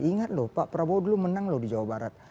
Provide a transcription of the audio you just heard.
ingat lho pak prabowo dulu menang loh di jawa barat